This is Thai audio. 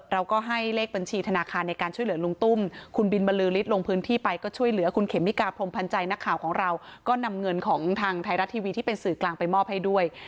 เราก็ให้เลขบัญชีธนาคารในการช่วยเหลือลุงตุ้มคุณบินบรรลือฤทธิ์ลงพื้นที่ไปก็ช่วยเหลือคุณเขมิกาพรมพันธ์ใจนักข่าวของเราก็นำเงินของทางไทยรัฐทีวีที่เป็นสื่อกลางไปมอบให้ด้วย